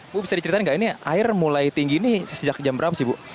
bu bisa diceritain nggak ini air mulai tinggi ini sejak jam berapa sih bu